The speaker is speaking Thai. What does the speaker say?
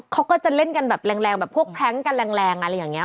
เขาก็จะเล่นกันแบบแรงแบบพวกแพล้งกันแรงอะไรอย่างนี้